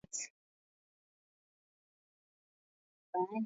sukuma unga wako duara la chapati